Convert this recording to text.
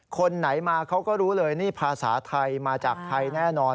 คนไหนมาเขาก็รู้เลยนี่ภาษาไทยมาจากไทยแน่นอน